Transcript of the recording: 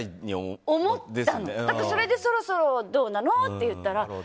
だからそろそろどうなの？って言ったら。